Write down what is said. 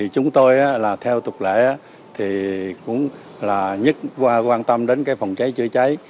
chúng tôi theo tục lễ nhất quan tâm đến phòng trái chữa trái